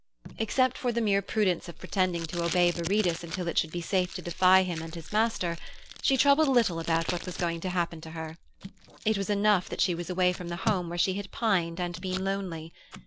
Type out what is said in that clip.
Except for the mere prudence of pretending to obey Viridus until it should be safe to defy him and his master, she troubled little about what was going to happen to her. It was enough that she was away from the home where she had pined and been lonely.